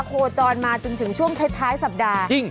โคจรมาจนถึงช่วงท้ายสัปดาห์จริง